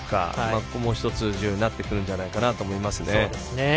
ここも１つ重要になってくるんじゃないかと思います。